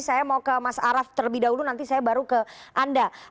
saya mau ke mas araf terlebih dahulu nanti saya baru ke anda